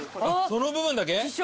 その部分だけ？